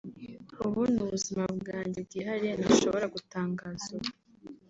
Ubwo ni ubuzima bwanjye bwihariye ntashobora gutangaza ubu